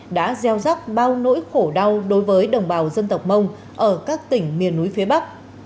đã gieo rắc bao nỗi khổ đau đối với đồng bào dân tộc mông ở các tỉnh miền núi phía bắc